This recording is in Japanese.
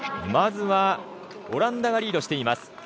まずはオランダがリードしています。